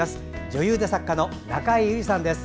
女優で作家の中江有里さんです。